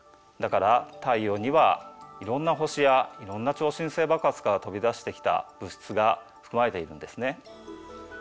だから太陽にはいろんな星やいろんな超新星爆発から飛び出してきた物質が含まれているんですね。